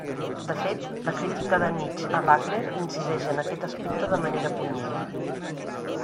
De fet, la crítica de Nietzsche a Wagner incideix en aquest aspecte de manera punyent.